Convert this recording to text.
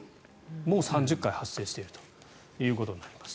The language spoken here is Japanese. もう３０回発生しているということになります。